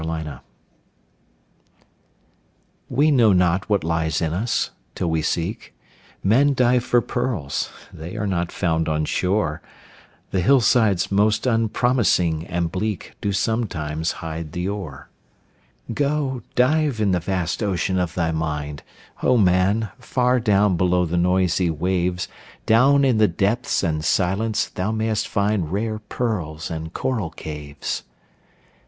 HIDDEN GEMS We know not what lies in us, till we seek; Men dive for pearls—they are not found on shore, The hillsides most unpromising and bleak Do sometimes hide the ore. Go, dive in the vast ocean of thy mind, O man! far down below the noisy waves, Down in the depths and silence thou mayst find Rare pearls and coral caves.